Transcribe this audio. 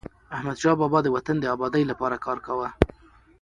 احمدشاه بابا د وطن د ابادی لپاره کار کاوه.